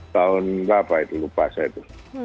tahun berapa itu lupa saya itu